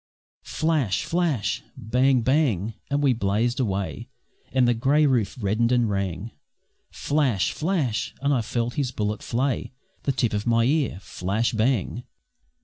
Flash! flash! bang! bang! and we blazed away, And the grey roof reddened and rang; Flash! flash! and I felt his bullet flay The tip of my ear. Flash! bang!